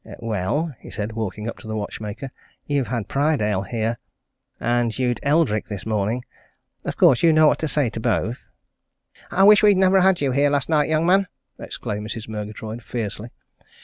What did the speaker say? "Well?" he said, walking up to the watchmaker. "You've had Prydale here and you'd Eldrick this morning. Of course, you knew what to say to both?" "I wish we'd never had you here last night, young man!" exclaimed Mrs. Murgatroyd fiercely.